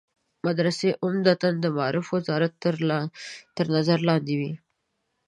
مدرسې عمدتاً د معارف وزارت تر نظر لاندې وي.